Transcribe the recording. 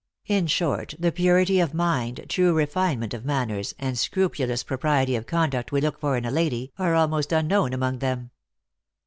In short, the purity of mind, true refinement of manners, and scrupulous propriety of conduct we look for in a lady, are almost unknown among them."